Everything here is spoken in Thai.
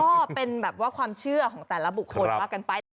ก็เป็นความเชื่อของแต่ละบุคคลมากันไป